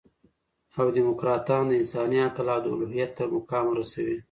او ډيموکراټان د انساني عقل او د الوهیت تر مقامه رسوي.